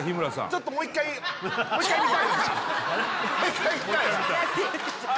ちょっともう一回もう一回見たいなあ